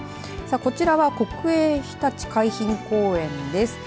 こちらは国営ひたち海浜公園です。